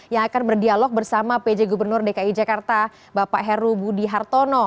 yang akan berdialog bersama pj gubernur dki jakarta bapak heru budi hartono